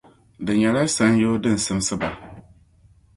Di nyɛla sanyoo din simsi ba.